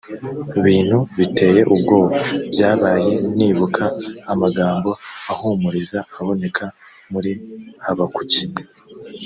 bintu biteye ubwoba byabaye nibuka amagambo ahumuriza aboneka muri habakuki